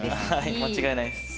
間違いないです。